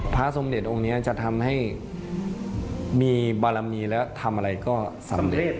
พระสมเด็จองค์นี้จะทำให้มีบารมีและทำอะไรก็สำเร็จ